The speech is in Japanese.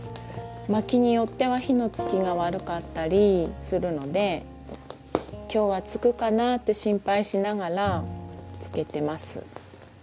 薪によっては火のつきが悪かったりするので今日はつくかなって心配しながらつけてます。